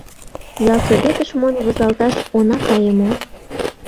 Ялсоветыш монь возалташ она кае мо?